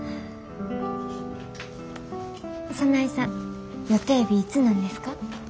早苗さん予定日いつなんですか？